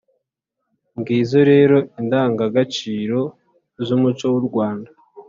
ngizo rero indangagaciro z’umuco w’u rwanda.